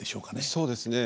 そうですね。